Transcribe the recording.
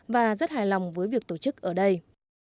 và rất hài lòng với việc tổ chức ở đây